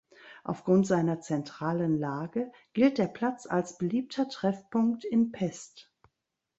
Aufgrund seiner zentralen Lage gilt der Platz als beliebter Treffpunkt in Pest.